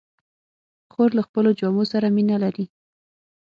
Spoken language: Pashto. خور له خپلو جامو سره مینه لري.